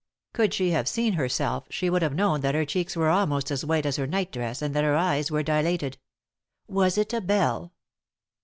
Could she have seen herself she would have known that her cheeks were almost as white as her nightdress, and that her eyes were dilated. Was it a bell